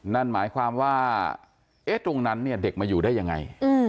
นั่นหมายความว่าตรงนั้นเด็กมาอยู่ได้อย่างไร